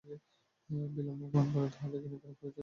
বিল্বন প্রাণপণে তাহাদিগকে নিবারণ করিতে লাগিলেন।